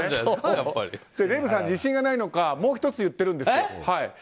デーブさん、自信がないのかもう１つ言ってるんですよ。